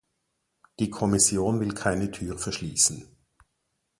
Die Kommission will keine Tür verschließen.